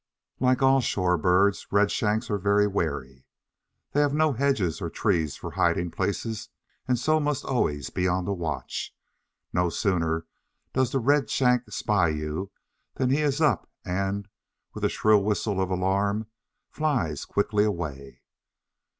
Like all the shore birds, Redshanks are very wary. They have no hedges or trees for hiding places, and so must always be on the watch. No sooner does the Redshank spy you than he is up and, with a shrill whistle of alarm, flies quickly away.